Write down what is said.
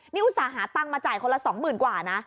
นี่อุตส่าห์หาตังค์มาจ่ายคนละ๒๐๐๐กว่านะ